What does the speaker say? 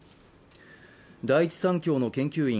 第一三共の研究員